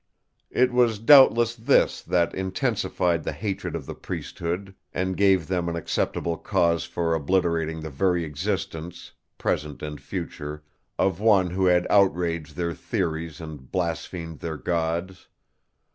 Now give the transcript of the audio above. It was doubtless this that intensified the hatred of the priesthood, and gave them an acceptable cause for obliterating the very existence, present and future, of one who had outraged their theories and blasphemed their gods.